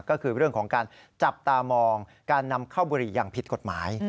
ก็คือเรื่องของการจับตามองการนำเข้าบุหรี่อย่างผิดกฎหมาย